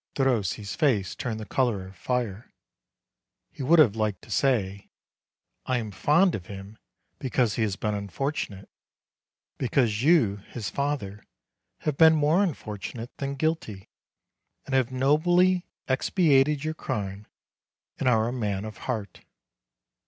Derossi's face turned the color of fire. He would have liked to say: "I am fond of him because he has been unfortunate; because you, his father, have been more unfortunate than guilty, and have nobly expiated your crime, and are a man of heart."